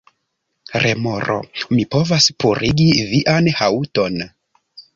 Remoro: "Mi povas purigi vian haŭton."